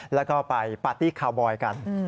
แล้วก็ไปปาร์ตี้คาวบอยกัน